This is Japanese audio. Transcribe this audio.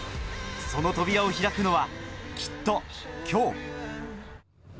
その扉を開くのは、きっと今日。